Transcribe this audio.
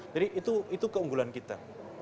jadi itu keunggulan kita